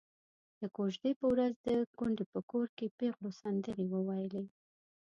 د کوژدې په ورځ د کونډې په کور کې پېغلو سندرې وويلې.